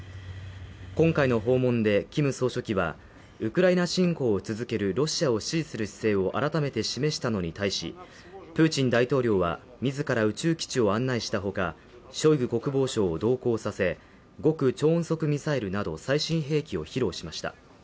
今回の訪問で金総書記はウクライナ侵攻を続けるロシアを支持する姿勢を改めて示したのに対しプーチン大統領は自ら宇宙基地を案内したほかショイグ国防相を同行させ極超音速ミサイルなど最新兵器を披露しました